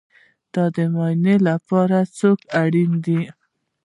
د معایناتو لپاره څوک اړین دی؟